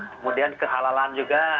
kemudian kehalalan juga